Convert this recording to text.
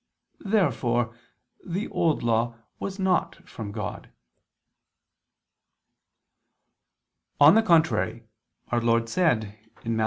Therefore the Old Law was not from God. On the contrary, Our Lord said (Matt.